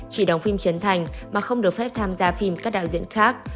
chỉ đóng phim trấn thành mà không được phép tham gia phim các đạo diễn khác